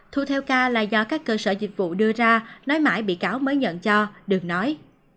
thu theo ca là do các cơ sở dịch vụ đưa ra nói mãi bị cáo mới nhận cho được nói